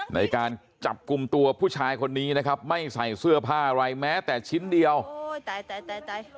ในการจับกลุ่มตัวผู้ชายคนนี้นะครับไม่ใส่เสื้อผ้าอะไรแม้แต่ชิ้นเดียวโอ้ยตายตาย